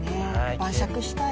晩酌したい。